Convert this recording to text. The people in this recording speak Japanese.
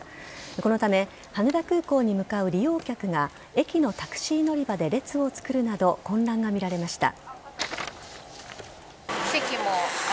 このため羽田空港に向かう利用客が駅のタクシー乗り場で列を作るなど混乱が見られました。